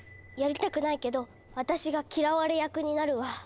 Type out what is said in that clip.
やりたくないけど私が嫌われ役になるわ。